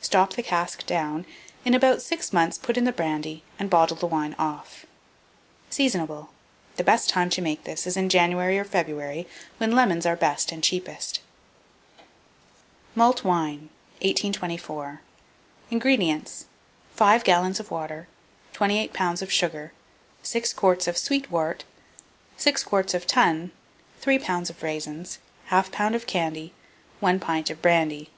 Stop the cask down; in about six months put in the brandy and bottle the wine off. Seasonable. The best time to make this is in January or February, when lemons are best and cheapest. MALT WINE. 1824. INGREDIENTS. 5 gallons of water, 28 lbs. of sugar, 6 quarts of sweet wort, 6 quarts of tun, 3 lbs. of raisins, 1/2 lb. of candy, 1 pint of brandy.